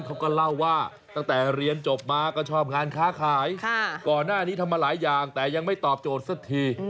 เขาก็เล่าว่าตั้งแต่เรียนจบมาก็ชอบงานค้าขายก่อนหน้านี้ทำมาหลายอย่างแต่ยังไม่ตอบโจทย์สักที